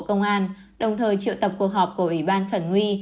công an đồng thời triệu tập cuộc họp của ủy ban khẩn huy